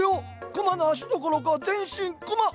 クマの足どころか全身クマ。